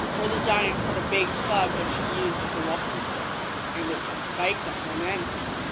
For the giant had a big club which he used as a walking stick, and it had spikes at one end.